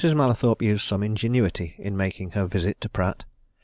Mallathorpe used some ingenuity in making her visit to Pratt.